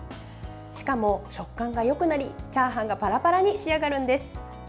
しかも食感がよくなりチャーハンがパラパラに仕上がるんです。